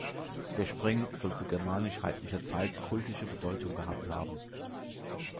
Der Spring soll zu germanisch-heidnischer Zeit kultische Bedeutung gehabt haben.